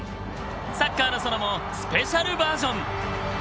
「サッカーの園」もスペシャルバージョン。